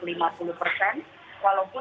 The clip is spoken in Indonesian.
walaupun masih dibatasi waktu satu jam